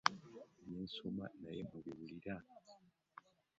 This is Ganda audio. Bye nsoma naye mubiwulira.